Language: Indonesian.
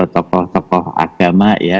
tokoh tokoh agama ya